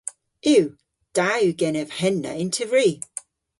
Yw. Da yw genev henna yn tevri.